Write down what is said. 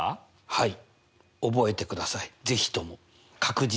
はい。